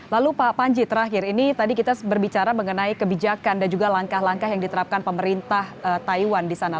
lalu pak panji terakhir ini tadi kita berbicara mengenai kebijakan dan juga langkah langkah yang diterapkan pemerintah taiwan di sana